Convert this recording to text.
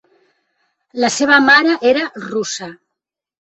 La seva mare era russa.